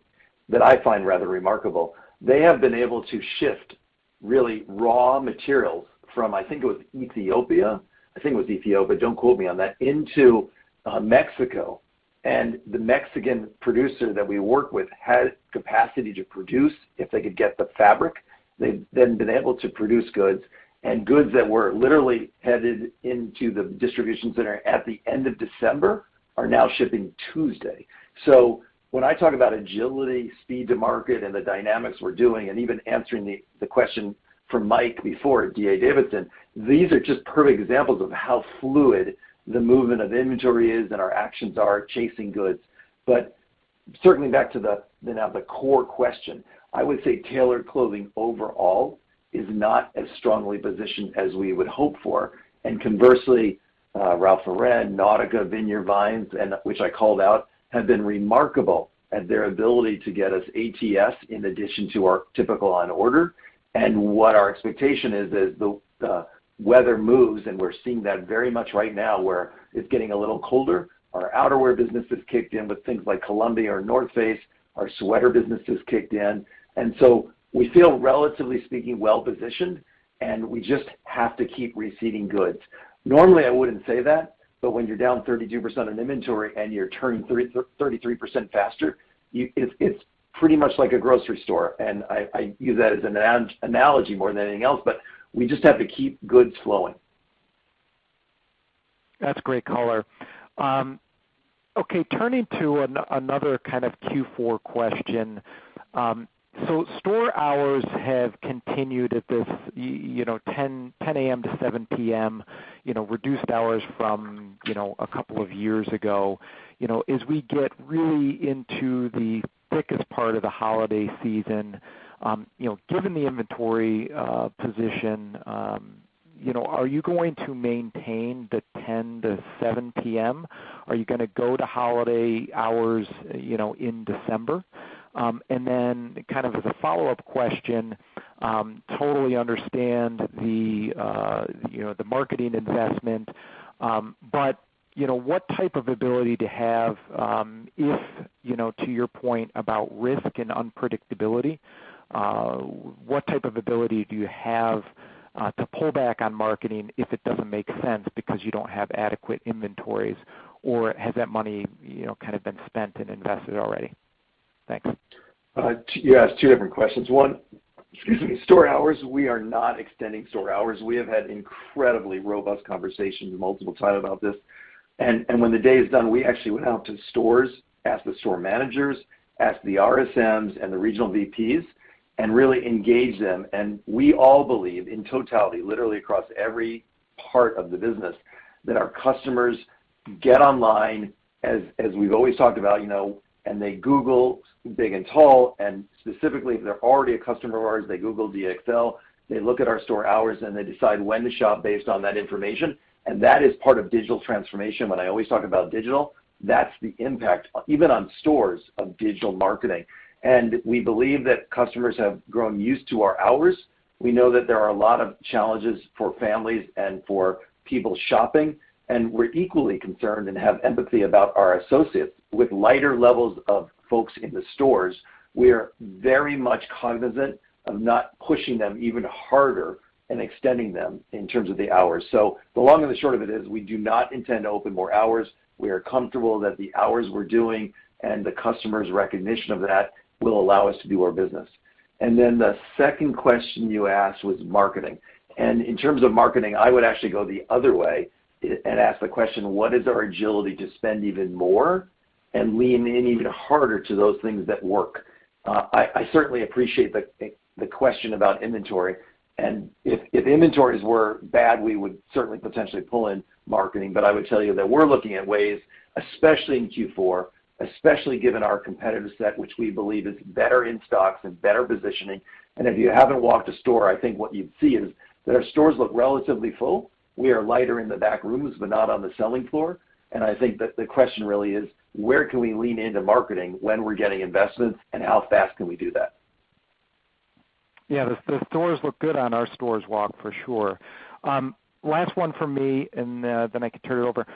that I find rather remarkable, they have been able to shift raw materials from, I think it was Ethiopia, but don't quote me on that, into Mexico. The Mexican producer that we work with had capacity to produce if they could get the fabric. They've then been able to produce goods, and goods that were literally headed into the distribution center at the end of December are now shipping Tuesday. When I talk about agility, speed to market and the dynamics we're doing, and even answering the question from Mike before at D.A. Davidson, these are just perfect examples of how fluid the movement of inventory is and our actions are chasing goods. Certainly back to now the core question. I would say tailored clothing overall is not as strongly positioned as we would hope for. Conversely, Ralph Lauren, Nautica, Vineyard Vines, and which I called out, have been remarkable at their ability to get us ATS in addition to our typical on order. What our expectation is, as the weather moves, and we're seeing that very much right now, where it's getting a little colder. Our outerwear business has kicked in with things like Columbia or North Face. Our sweater business has kicked in. We feel, relatively speaking, well positioned, and we just have to keep receiving goods. Normally, I wouldn't say that, but when you're down 32% in inventory and you're turning 33% faster, it's pretty much like a grocery store. I use that as an analogy more than anything else, but we just have to keep goods flowing. That's great color. Okay. Turning to another Q4 question. Store hours have continued at this, you know, 10:00 A.M. to 7:00 P.M., you know, reduced hours from, you know, a couple of years ago. You know, as we get really into the thickest part of the holiday season, you know, given the inventory position, you know, are you going to maintain the 10:00 to 7:00 P.M.? Are you gonna go to holiday hours, you know, in December? And then as a follow-up question, totally understand the, you know, the marketing investment. But, you know, to your point about risk and unpredictability, what type of ability do you have to pull back on marketing if it doesn't make sense because you don't have adequate inventories? Has that money, you know, been spent and invested already? You asked two different questions. One, store hours, we are not extending store hours. We have had incredibly robust conversations multiple times about this. When the day is done, we actually went out to stores, asked the store managers, asked the RSMs and the regional VPs, and really engaged them. We all believe, in totality, literally across every part of the business, that our customers get online as we've always talked about, you know, and they Google big and tall, and specifically, if they're already a customer of ours, they Google DXL. They look at our store hours, and they decide when to shop based on that information. That is part of digital transformation. When I always talk about digital, that's the impact, even on stores, of digital marketing. We believe that customers have grown used to our hours. We know that there are a lot of challenges for families and for people shopping, and we're equally concerned and have empathy about our associates. With lighter levels of folks in the stores, we are very much cognizant of not pushing them even harder and extending them in terms of the hours. The long and the short of it is we do not intend to open more hours. We are comfortable that the hours we're doing and the customer's recognition of that will allow us to do our business. The second question you asked was marketing. In terms of marketing, I would actually go the other way and ask the question, what is our agility to spend even more and lean in even harder to those things that work? I certainly appreciate the question about inventory. If inventories were bad, we would certainly potentially pull in marketing. I would tell you that we're looking at ways, especially in Q4, especially given our competitive set, which we believe is better in stocks and better positioning. If you haven't walked a store, I think what you'd see is that our stores look relatively full. We are lighter in the back rooms, but not on the selling floor. I think that the question really is, where can we lean into marketing when we're getting investments, and how fast can we do that? Yeah. The stores look good on our stores walk for sure. Last one from me and then I can turn it over.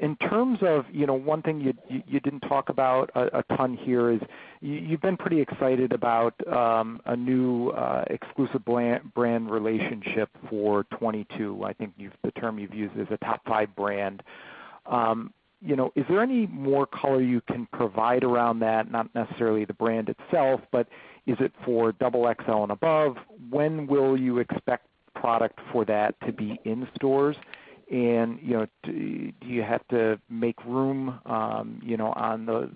In terms of, you know, one thing you didn't talk about a ton here is you've been pretty excited about a new exclusive brand relationship for 2022. I think you've the term you've used is a top five brand. You know, is there any more color you can provide around that, not necessarily the brand itself, but is it for double XL and above? When will you expect product for that to be in stores? You know, do you have to make room, you know, on the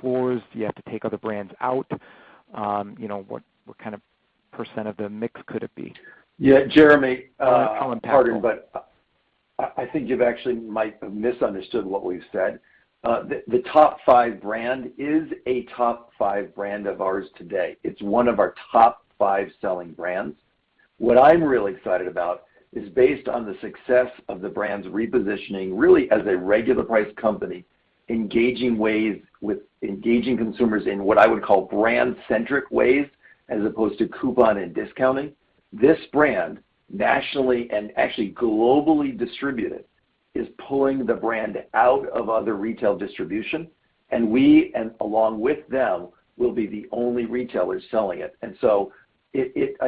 floors? Do you have to take other brands out? You know, what % of the mix could it be? Yeah, Jeremy. Pardon, but I think you actually might have misunderstood what we've said. The top five brand is a top five brand of ours today. It's one of our top five selling brands. What I'm really excited about is based on the success of the brand's repositioning really as a regular price company, engaging consumers in what I would call brand-centric ways as opposed to coupon and discounting. This brand, nationally and actually globally distributed, is pulling the brand out of other retail distribution. We, along with them, will be the only retailers selling it.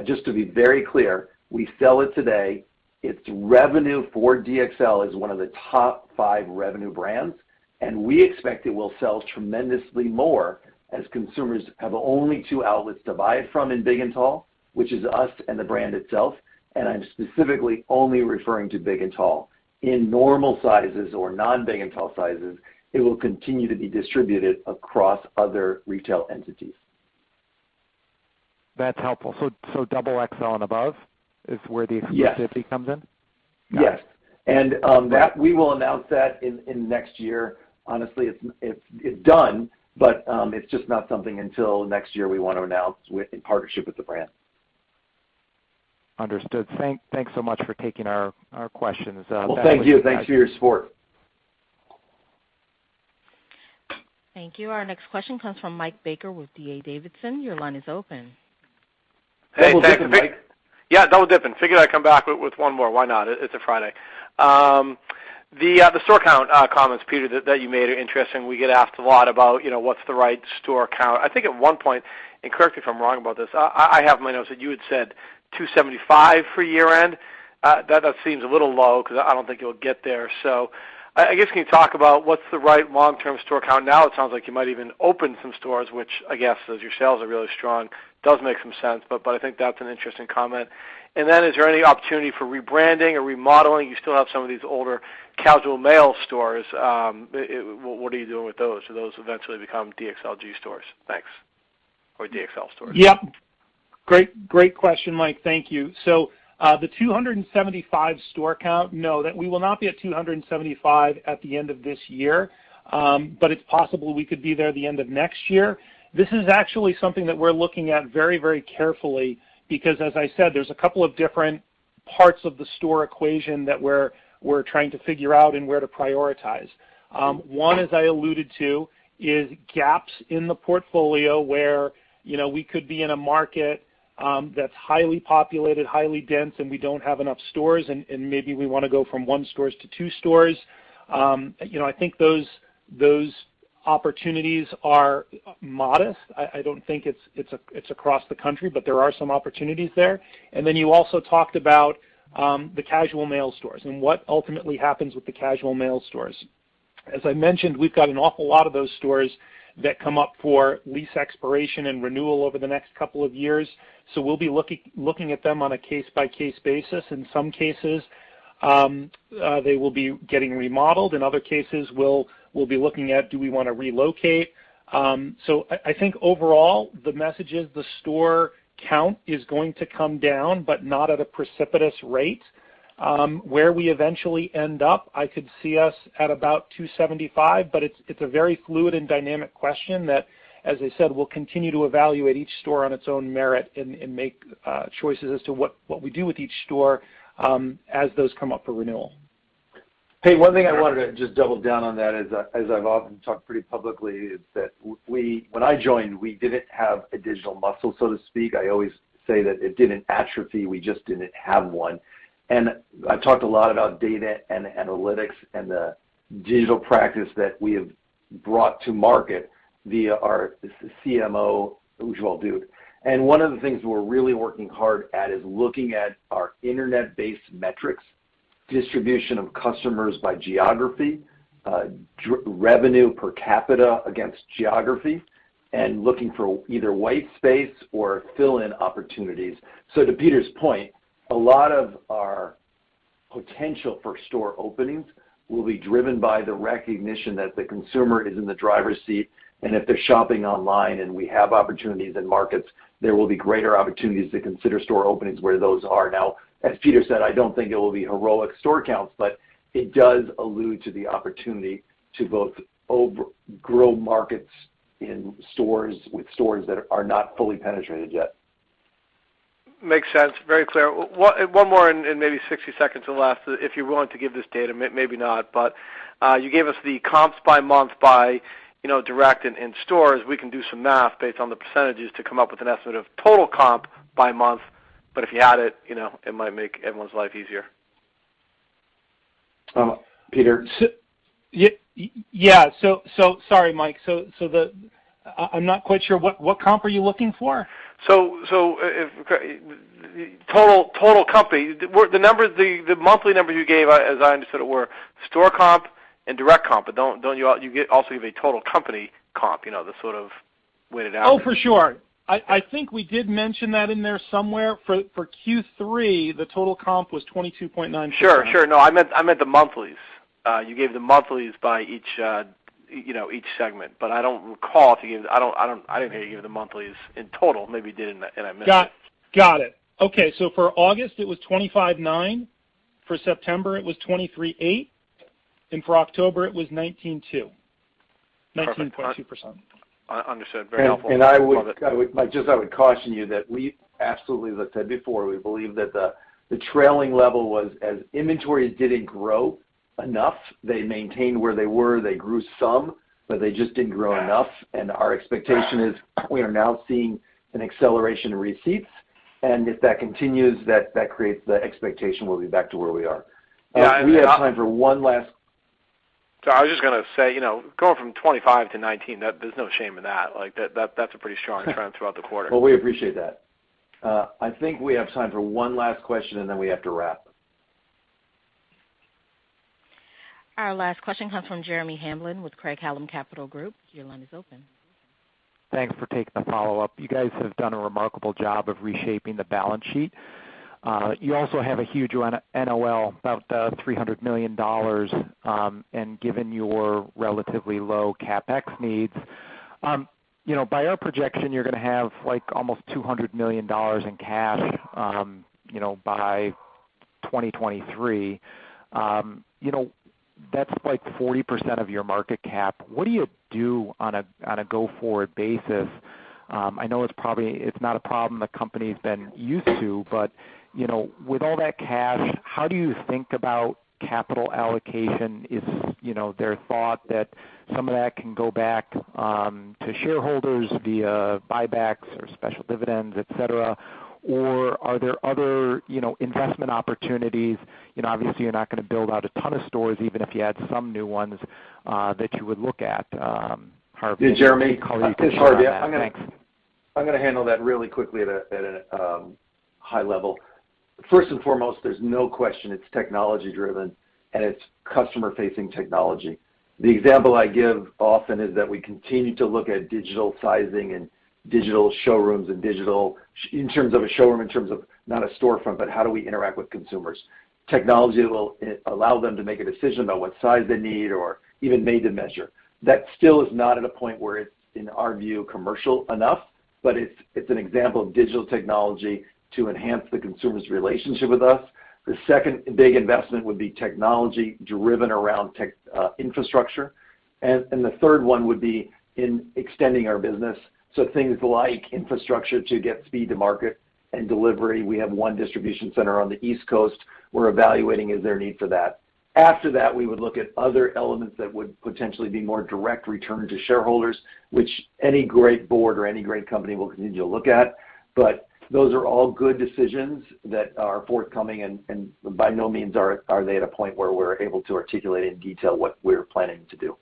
Just to be very clear, we sell it today. Its revenue for DXL is one of the top five revenue brands, and we expect it will sell tremendously more as consumers have only two outlets to buy it from in big and tall, which is us and the brand itself. I'm specifically only referring to big and tall. In normal sizes or non-big-and-tall sizes, it will continue to be distributed across other retail entities. That's helpful. Double XL and above is where the- Yes Exclusivity comes in? Yes. Got it. that we will announce that in next year. Honestly, it's done, but it's just not something until next year we wanna announce with the partnership with the brand. Understood. Thanks so much for taking our questions. Back to you guys. Well, thank you. Thanks for your support. Thank you. Our next question comes from Mike Baker with D.A. Davidson. Your line is open. Hey, thanks, Mike. Double-dipping, Mike. Yeah, double-dipping. Figured I'd come back with one more. Why not? It's a Friday. The store count comments, Peter, that you made are interesting. We get asked a lot about, you know, what's the right store count. I think at one point, and correct me if I'm wrong about this, I have my notes that you had said 275 for year-end. That seems a little low because I don't think you'll get there. So I guess, can you talk about what's the right long-term store count. Now it sounds like you might even open some stores, which I guess as your sales are really strong, does make some sense, but I think that's an interesting comment. Is there any opportunity for rebranding or remodeling? You still have some of these older Casual Male XL stores. What are you doing with those? Do those eventually become DXLG stores? Thanks. Or DXL stores. Great question, Mike. Thank you. The 275 store count, no. We will not be at 275 at the end of this year, but it's possible we could be there at the end of next year. This is actually something that we're looking at very carefully because, as I said, there's a couple of different parts of the store equation that we're trying to figure out and where to prioritize. One, as I alluded to, is gaps in the portfolio where, you know, we could be in a market that's highly populated, highly dense, and we don't have enough stores and maybe we wanna go from one store to two stores. You know, I think those opportunities are modest. I don't think it's across the country, but there are some opportunities there. You also talked about the Casual Male stores and what ultimately happens with the Casual Male stores. As I mentioned, we've got an awful lot of those stores that come up for lease expiration and renewal over the next couple of years, so we'll be looking at them on a case-by-case basis. In some cases, they will be getting remodeled. In other cases, we'll be looking at do we wanna relocate. I think overall the message is the store count is going to come down, but not at a precipitous rate. Where we eventually end up, I could see us at about 275, but it's a very fluid and dynamic question that, as I said, we'll continue to evaluate each store on its own merit and make choices as to what we do with each store, as those come up for renewal. Hey, one thing I wanted to just double down on that is, as I've often talked pretty publicly, is that when I joined, we didn't have a digital muscle, so to speak. I always say that it didn't atrophy, we just didn't have one. I've talked a lot about data and analytics and the digital practice that we have brought to market via our CMO, Ujjwal Dhoot. One of the things we're really working hard at is looking at our internet-based metrics, distribution of customers by geography, revenue per capita against geography, and looking for either white space or fill-in opportunities. To Peter's point, a lot of our potential for store openings will be driven by the recognition that the consumer is in the driver's seat, and if they're shopping online and we have opportunities in markets, there will be greater opportunities to consider store openings where those are. Now, as Peter said, I don't think it will be heroic store counts, but it does allude to the opportunity to both grow markets in stores with stores that are not fully penetrated yet. Makes sense. Very clear. One more, and maybe 60 seconds, last, if you're willing to give this data, maybe not. You gave us the comps by month, by direct and in stores. You know, we can do some math based on the percentages to come up with an estimate of total comp by month. If you had it, you know, it might make everyone's life easier. Peter? Yeah. Sorry, Mike. I'm not quite sure what comp are you looking for? For total company. The monthly numbers you gave, as I understood it, were store comp and direct comp, but don't you also give a total company comp, you know, the weighted average? Oh, for sure. I think we did mention that in there somewhere. For Q3, the total comp was 22.9%. Sure, sure. No, I meant the monthlies. You gave the monthlies by each, you know, each segment, but I don't recall if you gave the monthlies in total. I didn't hear you give the monthlies in total. Maybe you did and I missed it. Got it. Okay. For August, it was 25.9%. For September, it was 23.8%. For October, it was 19.2%. 19.2%. Understood. Very helpful. Love it. I would caution you that we absolutely, as I said before, we believe that the trailing level was as inventories didn't grow enough, they maintained where they were, they grew some, but they just didn't grow enough. Our expectation is we are now seeing an acceleration in receipts. If that continues, that creates the expectation we'll be back to where we are. Yeah. We have time for one last. Sorry. I was just gonna say, you know, going from 25% to 19%, that there's no shame in that. Like, that's a pretty strong trend throughout the quarter. Well, we appreciate that. I think we have time for one last question, and then we have to wrap. Our last question comes from Jeremy Hamblin with Craig-Hallum Capital Group. Your line is open. Thanks for taking the follow-up. You guys have done a remarkable job of reshaping the balance sheet. You also have a huge NOL, about $300 million, and given your relatively low CapEx needs. You know, by our projection, you're gonna have, like, almost $200 million in cash, you know, by 2023. You know, that's like 40% of your market cap. What do you do on a go-forward basis? I know it's probably not a problem the company's been used to, but, you know, with all that cash, how do you think about capital allocation? Is, you know, there thought that some of that can go back to shareholders via buybacks or special dividends, et cetera? Or are there other, you know, investment opportunities? You know, obviously, you're not gonna build out a ton of stores, even if you had some new ones that you would look at, however. Yeah, Jeremy. Thanks. I'm gonna handle that really quickly at a high level. First and foremost, there's no question it's technology driven, and it's customer-facing technology. The example I give often is that we continue to look at digital sizing and digital showrooms and digital in terms of a showroom, in terms of not a storefront, but how do we interact with consumers. Technology will allow them to make a decision about what size they need or even made to measure. That still is not at a point where it's, in our view, commercial enough, but it's an example of digital technology to enhance the consumer's relationship with us. The second big investment would be technology driven around tech infrastructure. The third one would be in extending our business, so things like infrastructure to get speed to market and delivery. We have one distribution center on the East Coast. We're evaluating is there a need for that. After that, we would look at other elements that would potentially be more direct return to shareholders, which any great board or any great company will continue to look at. Those are all good decisions that are forthcoming, and by no means are they at a point where we're able to articulate in detail what we're planning to do.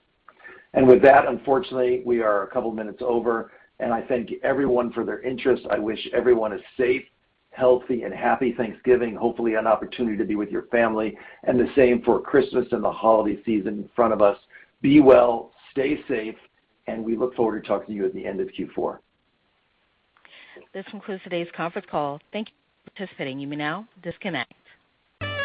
With that, unfortunately, we are a couple minutes over, and I thank everyone for their interest. I wish everyone a safe, healthy, and happy Thanksgiving. Hopefully an opportunity to be with your family, and the same for Christmas and the holiday season in front of us. Be well, stay safe, and we look forward to talking to you at the end of Q4. This concludes today's conference call. Thank you for participating. You may now disconnect.